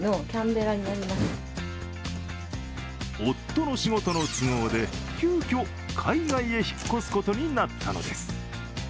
夫の仕事の都合で急きょ、海外へ引っ越すことになったのです。